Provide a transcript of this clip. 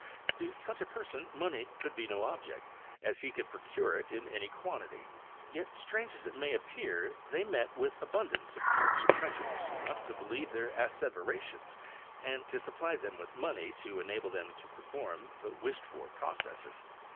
To such a person money could be no object, as he could procure it in any quantity. Yet, strange as it may appear, they met with abundance of dupes credulous enough to believe their asseverations, and to supply them with money to enable them to perform the wished for processes.